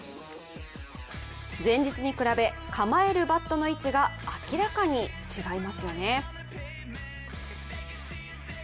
前日に比べ、構えるバットの位置が明らかに違いますよね。